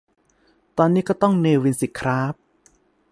ตอนนี้ก็ต้อง 'เนวิน' สิคร้าบ